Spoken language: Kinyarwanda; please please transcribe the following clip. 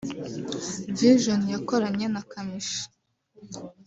‘Vision’ yakoranye na Kamichi